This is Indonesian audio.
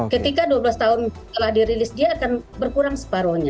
ketika dua belas tahun setelah dirilis dia akan berkurang separohnya